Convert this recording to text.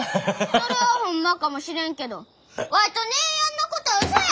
それはホンマかもしれんけどワイと姉やんのことはうそや！